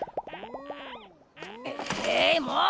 えいもう！